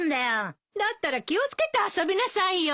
だったら気を付けて遊びなさいよ。